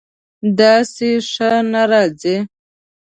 داسې ښه نه راځي